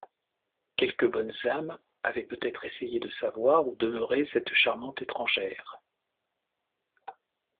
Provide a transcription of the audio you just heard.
Quelques bonnes âmes avaient peut-être essayé de savoir où demeurait cette charmante étrangère.